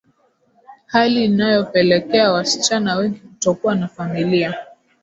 Hali inayopelekea wasichana wengi kutokuwa na famila